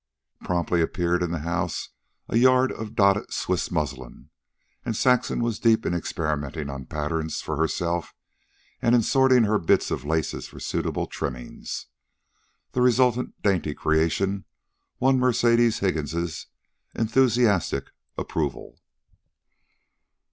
Promptly appeared in the house a yard of dotted Swiss muslin, and Saxon was deep in experimenting on patterns for herself, and in sorting her bits of laces for suitable trimmings. The resultant dainty creation won Mercedes Higgins' enthusiastic approval.